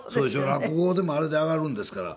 落語でもあれで上がるんですから。